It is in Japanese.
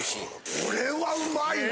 これはうまいな。